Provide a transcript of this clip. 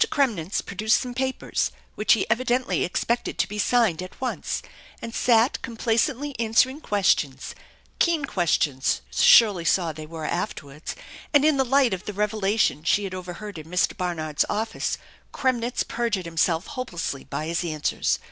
Kremnitz produced some papers which he evidently expected to be signed at once, and sat complacently answering questions ; keen questions Shirley saw they were afterwards, and in the light of the revelation she had overheard in Mr. Barnard's office Kremnitz perjured him self hopelessly by his answers.